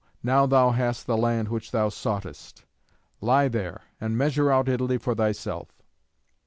now thou hast the land which thou soughtest. Lie there, and measure out Italy for thyself."